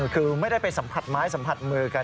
คือไม่ได้ไปสัมผัสไม้สัมผัสมือกัน